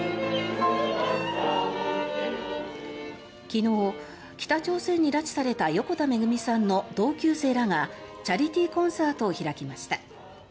昨日、北朝鮮に拉致された横田めぐみさんの同級生らがチャリティーコンサートを開きました。